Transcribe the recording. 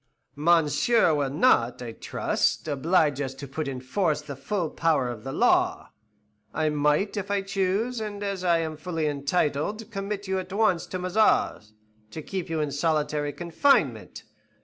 "Monsieur will not, I trust, oblige us to put in force the full power of the law. I might, if I chose, and as I am fully entitled, commit you at once to Mazas, to keep you in solitary confinement.